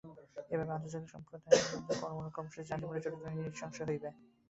এভাবেই আন্তর্জাতিক সম্প্রদায় আমাদের পরমাণু কর্মসূচির শান্তিপূর্ণ চরিত্র নিয়ে নিঃসংশয় হবে।